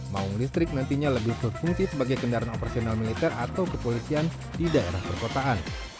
maung listrik nantinya lebih berfungsi sebagai kendaraan operasional militer atau kepolisian di daerah perkotaan